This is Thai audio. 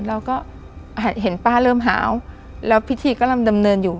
เราก็เห็นป้าเริ่มหาวแล้วพิธีกำลังดำเนินอยู่